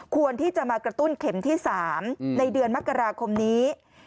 ควรที่จะมากระตุ้นเข็มที่๓ในเดือนมกราคมนี้